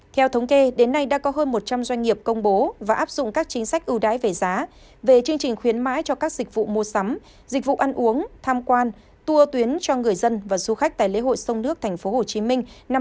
theo thống kê đến nay đã có hơn một trăm linh doanh nghiệp công bố và áp dụng các chính sách ưu đãi về giá về chương trình khuyến mãi cho các dịch vụ mua sắm dịch vụ ăn uống tham quan tour tuyến cho người dân và du khách tại lễ hội sông nước tp hcm năm hai nghìn hai mươi bốn